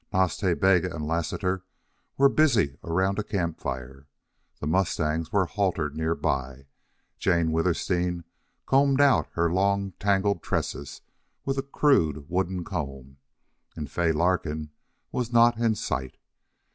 Nas Ta Bega and Lassiter were busy around a camp fire; the mustangs were haltered near by; Jane Withersteen combed out her long, tangled tresses with a crude wooden comb; and Fay Larkin was not in sight.